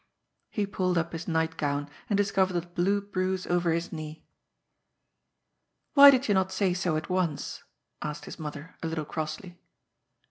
He pulled up his nightgown and discovered a blue bruise over his knee. 356 GOD'S FOOL. ^Wbij did yoa not say so at onoe ?" asked his mother, a little crossly.